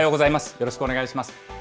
よろしくお願いします。